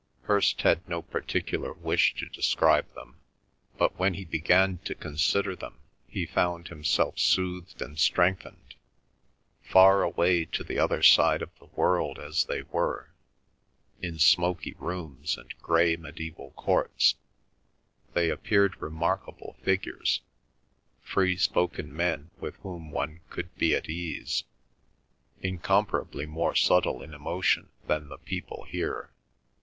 Hirst had no particular wish to describe them, but when he began to consider them he found himself soothed and strengthened. Far away on the other side of the world as they were, in smoky rooms, and grey medieval courts, they appeared remarkable figures, free spoken men with whom one could be at ease; incomparably more subtle in emotion than the people here.